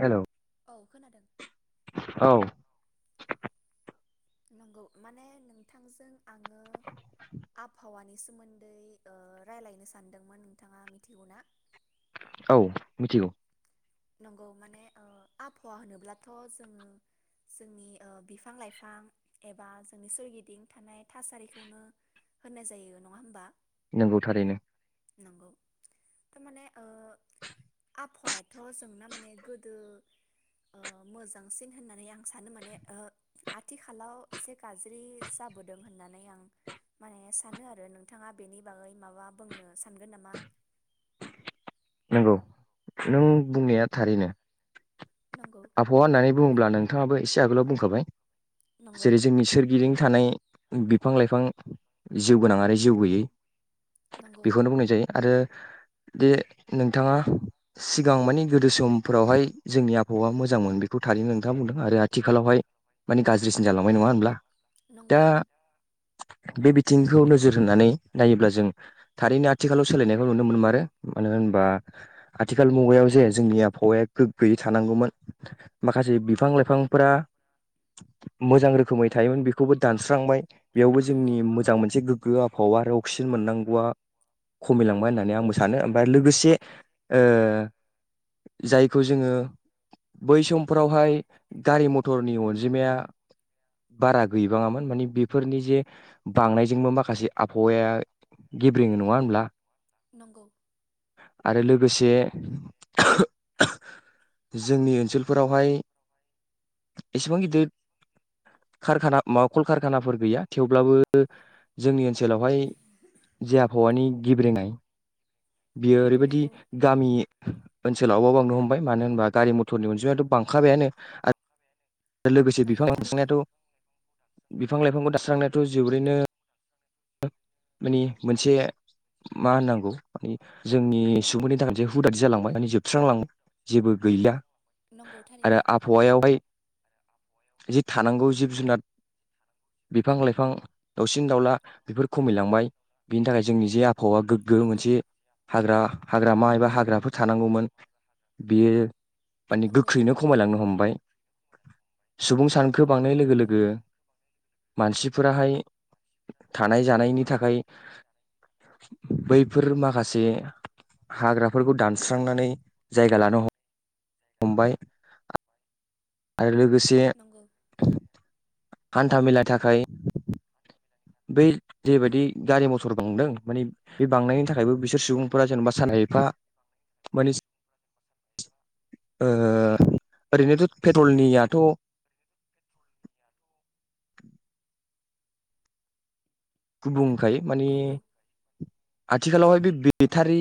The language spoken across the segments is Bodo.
हेलौ औ खोनादों। औ नंगौ माने नोंथांजों आङो आबहावानि सोमोन्दै ओ राय्लायनो सानदोंमोन नोंथाङा मिथिहौना? औ मिथिगौ। नंगौ माने ओ आबहावा होनोब्लाथ' जोङो जोंनि बिफां लाइफां एबा जोंनि सोरगिदिं थानाय थासारिखौनो होननाय जायो नङा होमबा? नंगौ थारैनो। नंगौ थारमाने ओ आबहावाया थ' जोंना माने गोदो ओ मोजांसिन होननानै आं सानो माने ओ आथिखालाव एसे गाज्रि जाबोदों होननानै आं माने सानो आरो नोंथाङा बेनि बागै माबा बुंनो सानगोन नामा? औ नों बुंनाया थारैनो। नंगौ आबहावा होननानै बुङोब्ला नोंथाङाबो इसे आगोलाव बुंखाबाय। नंगौ जेरै जोंनि सोरगिदिं थानाय बिफां लाइफां जिउ गोनां आरो जिउ गोैयै नंगौ बेखौनो बुंनाय जायो आरो दे। नोंथाङा सिगां मानि गोदो समफोरावहाय जोंनि आबहावा मोजांमोन बेखौ थारैनो नोंथाङा बुंदों आरो आथिखालावहाय मानिे गाज्रिसिन जालांबाय नङा होनबा? नंगौ। बे बिथिंखौ नोजोर होनानै नायोब्ला जों थारैनो आथिखालाव सोलायनायखौ नुनो मोनमारो मानो होन बा आथिखाल मुगायाव जे जोंनि आबहावाया गोग्गयै थानांगौमोन माखासे बिफां लाइफांफोरा मोजां रोखोमै थायोमोन बेखौबो दानस्रांबाय बेयावबो नंगौ जोंनि मोजां मोनसे गोग्गो आबावा आरो अक्सिजेन मोननांगौआ खमिलांबाय होननानै आंबो सानो ओमफ्राय लोगो से ओ जायखौ जोङो बै समफ्रावहाय गारि मथरनि अनजिमाया बारा गैबाङामोन माने बेफोरनि जे बांनाय जोंबो माखासे आबहावाया गेब्रेङो नङा होनब्ला? नंगौ आरो लोगोसे [unintelligible] जोंनि ओनसोलफोरावहाय एसेबां गिदिर कारखाना माबा कल खारखानाफोर गैया थेवब्लाबो जोंनि ओनसोलावहाय जे आबहावानि गेब्रेनाय। बियो ओरैबायदि नंगौ गामि ओनसोलावबो बांनो हमबाय मानो होनबा गारि मथरनि अनजिमा बिदुंआ बांखाबायानो आरो लोगोसे नंगौ बिफां थारैनो लाइसिनानो थ [unintelligible] स्रांनायाथ जोबोरैनो बिनि माने मोनसे मा होननांगौ मानि जोंनि सुबुंफोरनि थाखाय जे हुदा जालांबाय माने जोबस्रांलांबाय जेबो गैलि नंगौ थारैनो आरो आबहावायावहाय जि थानांगौ जिब जुनाद बिफां लाइफां दाउसिन दाउला बेफोर खमिलांबाय बिनि थाखाय जोंनि जे आफ हवा गोग्गो नंगौ मोनसे बा हाग्रामा एबा हाग्राफोर थानांगौमोन बेयो माने नंगौ गोख्रैनो खमायलांनो हमबाय सुबुं सान खो बांनाय लोगो नंगौ लोगो मानसिफोराहाय थानाय जानायनि थाखाय बैफोर माखासे जे हाग्राफोरखौ दानस्रांनानै जायगा लानो हम हम्बाइ आ रो लोगोसे नंगौ हान्था मेला थाखाय बै जेबायदि गारि मथर बांदों माने बे बांनायनि थाखायबो बिसोर सुबुंफोरा जेनेबा साना एफा माने ओ ओरैनोथ पेट्रलनियाथ गुबुं खाय माने नंगौ आथिखालावहाय बे बेटारि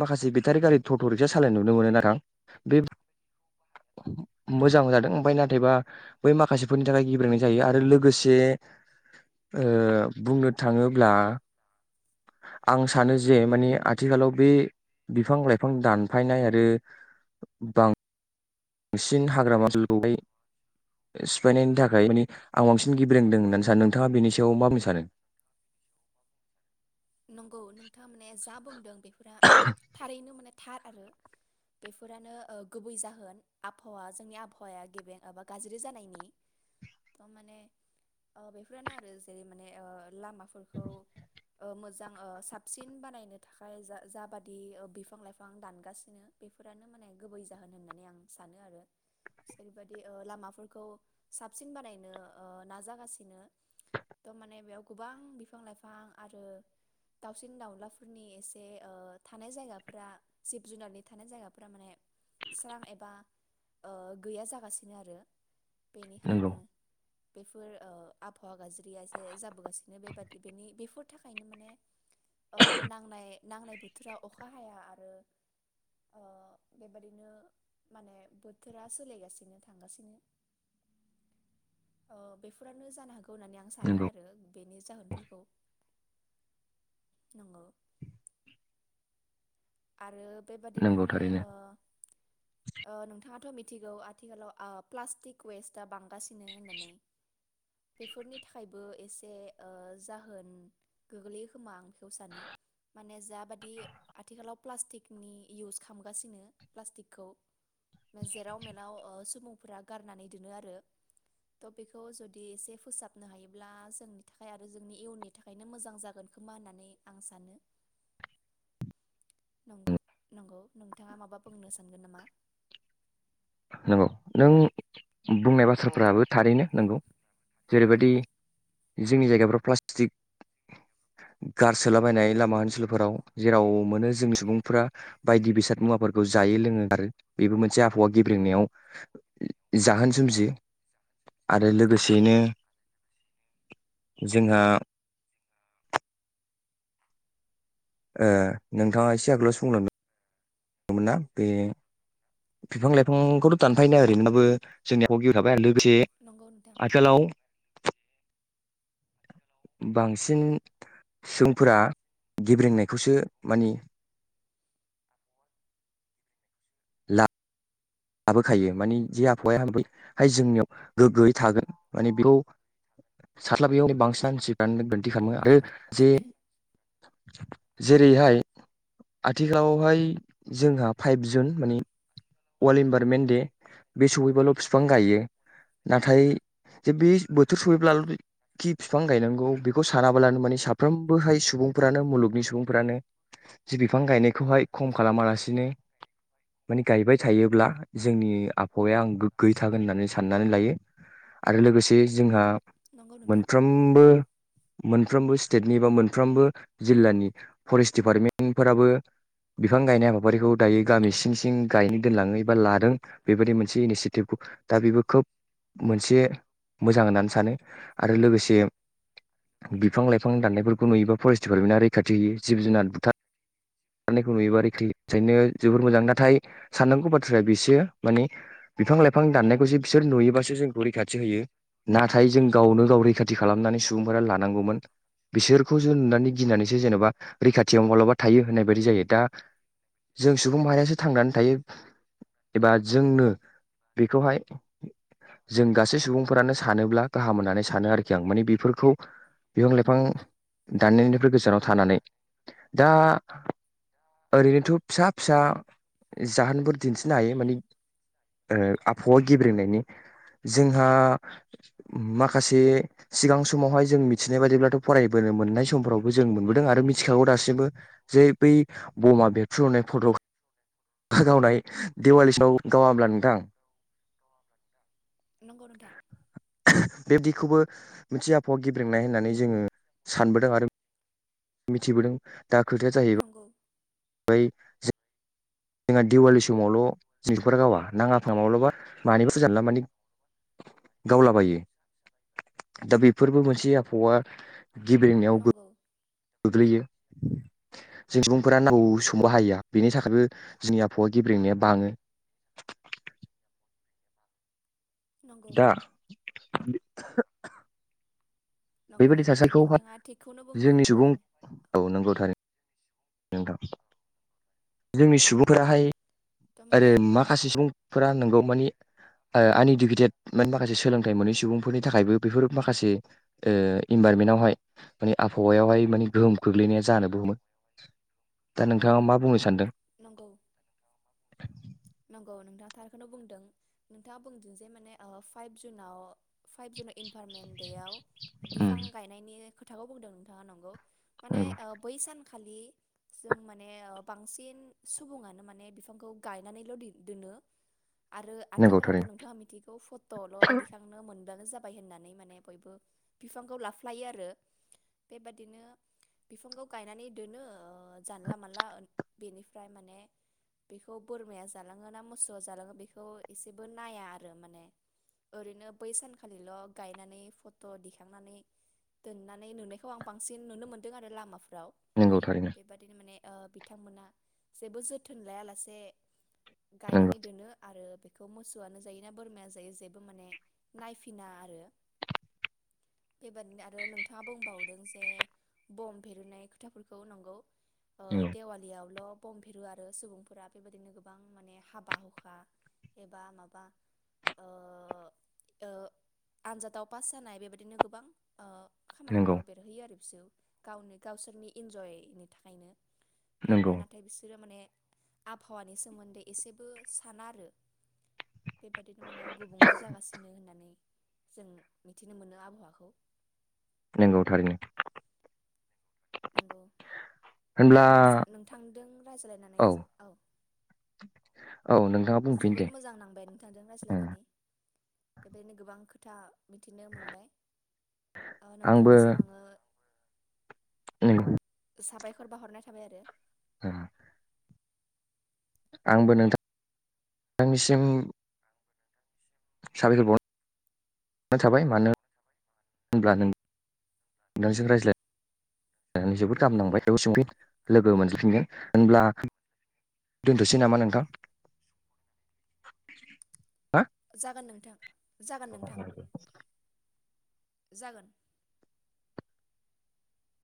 माखासे बेटारि गारि ट ट रिक्सा सालायनाय नुनो मोनो नाथां बेब मोजां जादों ओमफाय नाथायबा बै माखासेफोरनि थाखाय गिब्रेंनाय जायो आरो लोगोसे ओ बुंनो थाङोब्ला आं सानो जे माने आथिखालाव बे बिफां लाइफां दानफायनाय आरो बां बांसिन हाग्रामाओनसोलखौहाय सिफायनायनि थाखाय माने आव बांसिन गेबरोंदों होननानै सानो नोंथाङा बेनि सायाव मा बुंनो सानो नंगौ नोंथां मोने जा बुंदों बे फोरा थारैनो माने थार आरो बेफोरानो ओ गुबै जाहोन आबहावा जोंनि आबहावाया गेबें एबा गाज्रि जानायनि थार माने ओ बेफोरानो आरो जेरै माने आ लामाफोरखौ ओ मोजां ओ साबसिन बानायनो थाखाय जा जा जाबादि बिफां लाइफां दानगासिनो बेफोरानो माने गुबै जाहोन होननानै आं सानो आरो जेरैबायदि ओ लामाफोरखौ साबसिन बानायनो ओ नाजागासिनो थ माने बेयाव गोबां बिफां लाइफां आरो दाउसिन दाउलाफोरनि एसे ओ थानाय जायगाफोरा जिब जुनारनि थानाय जायगाफोरा माने स्रां एबा ओ गैया जागासिनो आ नंगौ बेनिखायनो बेफोर ओ आबहावा गाज्रिया एसे जाबोगासिनो बेबादि बेनि बेफोर थाखायनो माने ओ नांनाय नांनाय बोथोरा अखा हाया आरो ओ बेबादिनो माने बोथोरा सोलायगासिनो थांगासिनो ओ बेफोरानो जानो हागौ खौ होननानै आं सानो नंगौ आरो बेनि जाहोनफोरखौ [unintelligible] आरोबाव बेबादिनो नंगौ माने थारैनो ओ ओ नोथाङाथ मिथि गौ आथिखालाव प्लास्टिक वेस्टा बांगासिनो होननानै बेफोरनि थाखायबो एसे ओ जाहोनगोग्लैयोखोमा आं सानो माने जाबादि आथिखालाव प्लास्टिकनि इउस खालामगासिनो प्लास्टिकखौ जेराव मेलाव सुबुंफोरा गारनानै दोनो आरो थ' बेखौ जुदि एसे फोसाबनो हायोब्ला जोंनि थाखाय आरो जोंनि इयुननि थाखायनो मोजां जागोन खोमा होननानै आं सानो। नंगौ नंगौ नोंथांङा माबा बुंनो सानगोन नामा? नंगौ नों बुंनाय बाथ्राफोराबो थारैनो नंगौ। जेरैबायदि जोंनि जायगाफ्राव प्लास्टिक गारसोलाबायनाय लामा ओनसोलफोराव जेराव मोनो जोंनि सुबुंफोरा बायदि बेसाद मुवाफोरखौ जायो लोङो आरो बेबो मोनसे आबहावा गेब्रेंनायाव जाहोन सोमजियो आरो नंगौ लोगोसेयैनो जोंहा ओ नोंथांङा एसे आगोलाव बुंलांदोंमोन ना बे बिफां लाइफांखौथ' दानफायनाया ओरैनोबाबो जोंनि [inaudible] थाबाय आरो लोग लोगोसे नंगौ नोंथां आथिखालाव बांसिन सुबुंफोरा गेब्रेंनायखौसो मानि लाबोखायो माने जे आबहावाया बैहाय जोंनियाव गोग्गोयै थागोन माने बेखौ साथ्लाबैयाव बांसिन मानसिफ्रानो दोन दि खालामो आरो नंगौ जे जेरैहाय आथिखालावहाय जोंहा फाइभ जुन माने। वर्ल्ड इनभाररमेन्ट दे बे सहैबाल' बिफां गायो नाथाय जे बे बोथोर सफैब्ला' खि बिफां गायनांगौ बेखौ सानाब्लानो माने साफ्रोमबोहाय सुबुंफ्रानो मुलुगनि सुबुंफ्रानो जि बिफां गायनायखौहाय खम खालामालासिनो माने गायबाय थायोब्ला जोंनि आबहावाया आं गोग्गैयै थागोन होननानै साननानै लायो आरो लोगोसे जोंहा नंगौ नोंथां मोनफ्रोमबो मोनफ्रोमबो स्टेटनि बा मोनफ्रोमबो जिल्लानि फरेस्ट दिडपार्टमेन्टफोराबो बिफां गायनाय हाबाफारिखौ दायो गामि सिं सिं गायनो दोनलाङो एबा लादों बेबायदि मोनसे इनिसियेटिभखौ दा बेबो खोब मोनसे मोजां होननानै सानो आरो लोगोसे बिफां लाइफां दाननायफोरखौ नुयोबा फरेस्ट दिडिपार्टमेन्टआ रैखाथि होयो जिब जुनार बुथार दाननायखौ नुयोबा रैखाथिनो जोबोर मोजां नाथाय साननांगौ बाथ्राया बिसो माने बिफां लाइफां दाननायखौसो बिसोर नुयोबासो जोंखौ रैखाथि होयो नाथाय जों गावनो गाव रैखाथि खालामनानै सुबुंफोरा लानांगौमोन बिसोरखौसो नुनानै गिनानैसो जेन'बा रैखाथियाव माबालाबा थायो होननाय बेबायदि जायो दा जों सुबुं माहारियासो थांनानै थायो एबा जोंनो बेखौहाय जों गासै सुबुंफोरानो सानोब्ला गाहाम मोननानै सानो आरोखि आं माने बेफोरखौ बिफां लाइफां दाननायनिफ्राय गोजानाव थानानै दा ओरैनोथ' फिसा फिसा जाहोनफोर दिन्थिनो हायो मानि ओ आबहावा गेब्रेंनायनि जोंहा माखासे सिगां समावहाय जों मिथिनाय बादिब्लाथ' फरायबोनो मोननाय समफोरावबो जों मोनबोदों आरो मिथिखागौ दासिमबो। जे बै बमा बेरफ्रुनाय फट'खा गावनाय दिवालिसाव गावाब्ला अब्ला नोंथां? नंगौ नोंथां बेदिखौबो मोनसे आबहावा गेब्रेंनाय होननानै जोंङो सानबोदों आरो मिथिबोदों। दा खोथाया नंगौ जाहैबाय जोंहा दिवाललि समावल' [unintelligible] गावा नाङा फाङा माब्लाबा मानैबा फुजानला माने गावलाबायो दा बेफोरबो मोनसे आबहावा गिब्रेंनायाव गो नंगौ गोग्लैयो जों सुबुंफोरा नांगौ [unintelligible] बेनि थाखायबो जोंनि आबहावा गेब्रेंनाया बाङो‌। नंगौ दा नंगौ बेबायदि माने नोंथाङा थिगखौनो थासारिखौहाय बुंदों जोंनि सुबुं थारैनो औ नंगौ थारै नोंथां जोंनि सुबुंफोराहाय आरो थारमाने औ माखासे सुबुंफोरा नंगौ मानि ओ आन इडुकेटेद माने माखासे सोलोंथाइ मोनैनि सुबुंफोरनि थाखायबो बेफोर माखासे ओ इनभारमेन्टावहाय माने आबहावायावहाय माने गोहोम खोख्लैनाया जानोबो हमो दा नोंथाङा मा बुंनो सानदों? नंगौ। नंगौ नोंथां। थारखोनो बुंदों नोंथाङा बुंदों जे माने ओ फाइभ जुनाव फाइभ जुनाव इनभारमेन्ट देयाव बिफां उम गायनायनि खोथाखौ बुंदों नोंथाङा नंगौ। माने नंगौ ओ बै सान खालि जों माने ओ बांसिन सुबुङानो माने बिफांखौ गायनानैल' दि दोनो। आरो नंगौ आथिखालावथ' थारैनो नोंथाङा मिथिगौ फटल' दिखांनो मोन बानो जाबाय होननानै माने बयबो बिफांखौ लाफ्लायो आरो बेबादिनो बिफांखौ गायनानै दोनो ओ जानला मानला ओन बेनि फ्राय माने बेखौ बोरमाया जालाङो ना मोसौआ जालाङो बेखौ एसेबो नाया आरो माने ओरैनो बै सानखालिल' गायनानै फट दिखांनानै दोननानै नुनायखौ आं बांसिन नुनो मोनदों आरो लामाफोर फ्राव नंगौ थारैनो बेबादिनो माने ओ बिथांमोना जेबो जोथोन लायालासे। गायनानै नंगौ दोनो आरो बे बेखौ मोसौआनो जायो ना बोरमायानो जायो जेबो माने नायफिना आरो बेबादिनो आरो नोंथाङा बुंबावदों जे बम बेरुनाय खोथाफोरखौ नंगौ। ओ देवालियावल' बम बेरु आरो सुबुंफोरा बेबायदिनो गोबां माने हाबा हुखा एबा माबा ओ ओ आनजादाव पास जानाय बेबायदिनो गोबां ओ नंगौ खामानिफोराव बेरहोयो आरो बिसोर। गावनो गावसोरनि इन्जयनि थाखायनो। बेयावनो नोंगौ। नाथाय बिसोरो माने आबहावानि सोमोन्दै एसेबो साना आरो बेबादिनो माने गुबुंले जागासिनो होननानै जों मिथिनो मोनो आबहावाखौ। नोंगौ थारैनो। नोंगौ। होनब्ला नोंसा नोंथांदों रायज्लायनानै औ औ नोंथाङा बुंफिन दे जोबोर मोजां नांबाय नोंथांजों उम रायज्लायनानै बेबायदिनो गोबां खोथ खोथा मिथिनो मोनबाय। ओ आंबो नोंथांनिसिम आङो [unintelligible] साबायखर बावहरनाय थाबाय आरो। ओ। आंबो नोंथांनिसिम साबायखर बाव नायथाबाय मानो होनब्ला नों नोंसिजों रायज्लाय नानै जोबोद गाहाम नांबाय थेवबो सोंफिन लोगो मोनजोबफिनगोन होनब्ला दोनथ'सै नामा नोंथां हा। जागोन नोंथां। जागोन नोंथां जागोन